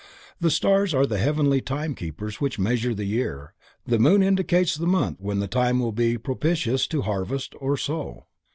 The stars are the heavenly time keepers which measure the year, the moon indicates the month when time will be propitious to harvest or to sow.